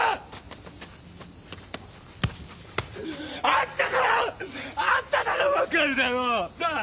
あんたならあんたならわかるだろう？なぁ。